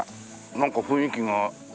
なんか雰囲気が。